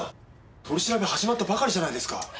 取り調べ始まったばかりじゃないですか。